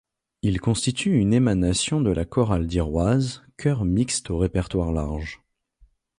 Ils constituent une émanation de la Chorale d'Iroise, chœur mixte au répertoire large.